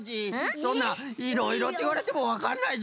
そんないろいろっていわれてもわかんないぞ。